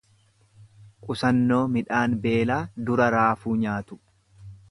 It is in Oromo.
Qusannoo midhaan beelaa dura raafuu nyaatu.